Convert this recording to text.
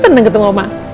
seneng gitu sama obama